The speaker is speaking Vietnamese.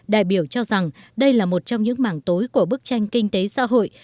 đại biểu cho rằng đây là một trong những mảng tối của bức tranh kinh tế xã hội